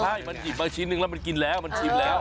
ใช่มันหยิบมาชิ้นนึงแล้วมันกินแล้วมันชิมแล้ว